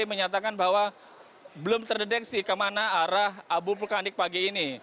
menyatakan bahwa belum terdeteksi kemana arah abu vulkanik pagi ini